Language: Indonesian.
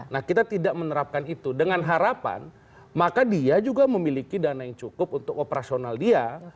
nah kita tidak menerapkan itu dengan harapan maka dia juga memiliki dana yang cukup untuk operasional dia